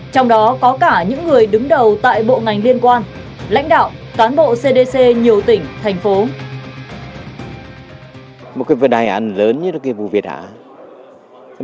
trong đó có cả những người đứng đầu tại bộ ngành liên quan lãnh đạo cán bộ cdc nhiều tỉnh thành phố